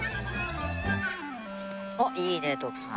おっいいね徳さん。